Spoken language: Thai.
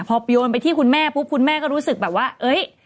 พอโยนไปที่คุณแม่ปุ๊บคุณแม่ก็รู้สึกแบบว่าเอ้ย